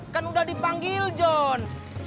kan udah dipanggil john